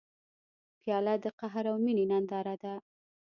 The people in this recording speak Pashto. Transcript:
پیاله د قهر او مینې ننداره ده.